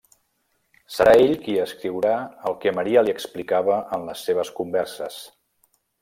Serà ell qui escriurà el que Maria li explicava en les seves converses.